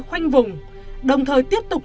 khoanh vùng đồng thời tiếp tục